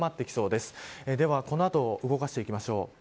では、この後動かしていきましょう。